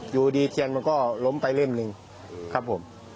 อยู่ดีเทียนมันก็ล้มไปเล่มหนึ่งครับผม